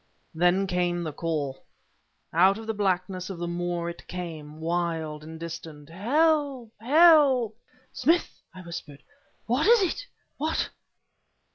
Then came the call. Out of the blackness of the moor it came, wild and distant "Help! help!" "Smith!" I whispered "what is it? What..."